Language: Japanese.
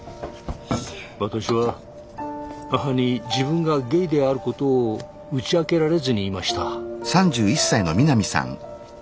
私は母に自分がゲイであることを打ち明けられずにいました。